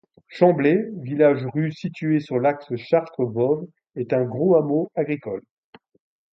Chamblay, village-rue situé sur l'axe Chartres-Voves est un gros hameau agricole.